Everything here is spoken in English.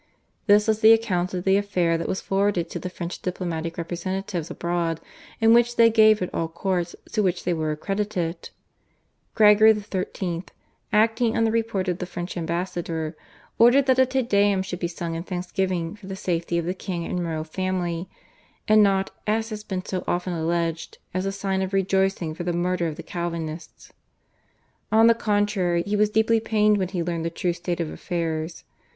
This was the account of the affair that was forwarded to the French diplomatic representatives abroad, and which they gave at all courts to which they were accredited. Gregory XIII., acting on the report of the French ambassador, ordered that a /Te Deum/ should be sung in thanksgiving for the safety of the king and royal family, and not, as has been so often alleged, as a sign of rejoicing for the murder of the Calvinists. On the contrary he was deeply pained when he learned the true state of affairs.